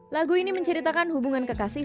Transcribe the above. lagu ini menceritakan hubungan kekasih